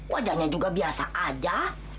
wajahnya juga biasa aja